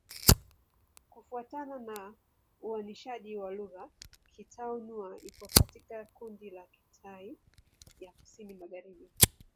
Kufuatana na uainishaji wa lugha, Kitai-Nüa iko katika kundi la Kitai ya Kusini-Magharibi.